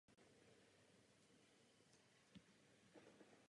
Přibližně na začátku obce se nachází obecní úřad spojený s kulturním domem.